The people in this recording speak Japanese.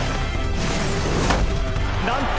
なんと！